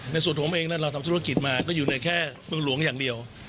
ในส่วนผมเองนั้นเราทำธุรกิจมาก็อยู่ในแค่เมืองหลวงอย่างเดียว